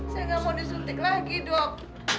saya nggak mau disuntik lagi dok